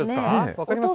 分かります？